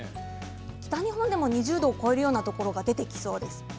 北日本でも２０度を超えるようなところが出てきそうです。